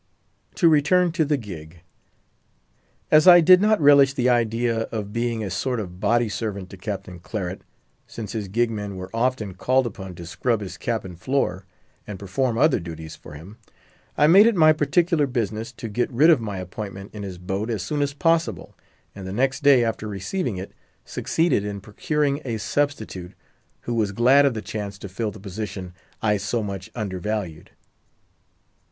To return to the gig. As I did not relish the idea of being a sort of body servant to Captain Claret—since his gig men were often called upon to scrub his cabin floor, and perform other duties for him—I made it my particular business to get rid of my appointment in his boat as soon as possible, and the next day after receiving it, succeeded in procuring a substitute, who was glad of the chance to fill the position I so much undervalued.